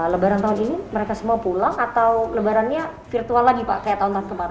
lebaran tahun ini mereka semua pulang atau lebarannya virtual lagi pak kayak tahun tahun kemarin